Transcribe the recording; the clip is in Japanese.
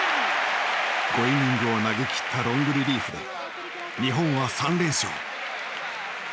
５イニングを投げきったロングリリーフで日本は３連勝。